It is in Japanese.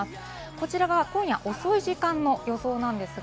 こちらが今夜遅い時間の予想です。